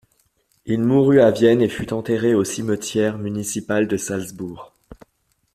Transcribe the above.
Il mourut à Vienne, et fut enterré au Cimetière municipal de Salzbourg.